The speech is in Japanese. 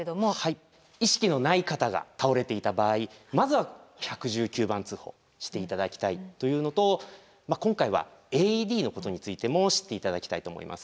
意識のない方が倒れていた場合まずは１１９番通報して頂きたいというのと今回はＡＥＤのことについても知って頂きたいと思います。